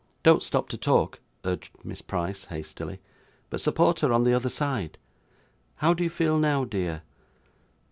'Don't stop to talk,' urged Miss Price, hastily; 'but support her on the other side. How do you feel now, dear?